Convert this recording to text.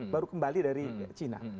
baru kembali dari cina